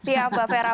siap mbak fera